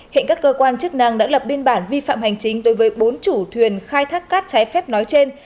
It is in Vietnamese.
hiện các cơ quan chức năng đã lập biên bản vi phạm hành chính đối với bốn chủ thuyền khai thác cát trái phép nói trên